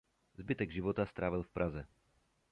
Zbytek života strávil v Praze.